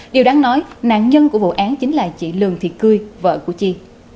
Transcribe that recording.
điều đáng nói nạn nhân của vụ án chính là chị lường thị cưi vợ của chi